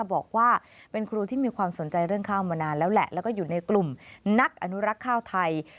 บอกว่าเป็นครูที่มีความสนใจเรื่องข้าวมานานแล้วแหละแล้วก็อยู่ในกลุ่มนักอนุรักษ์ข้าวไทย